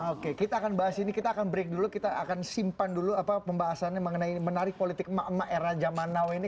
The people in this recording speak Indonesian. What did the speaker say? oke kita akan bahas ini kita akan break dulu kita akan simpan dulu apa pembahasannya mengenai menarik politik emak emak era zaman now ini